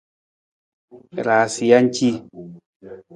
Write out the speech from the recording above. Raansija ci.